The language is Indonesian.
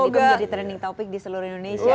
dan itu menjadi trending topic di seluruh indonesia